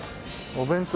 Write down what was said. お弁当。